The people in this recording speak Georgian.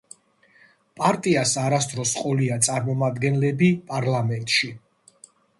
პარტიას არასდროს ყოლია წარმომადგენლები პარლამენტში.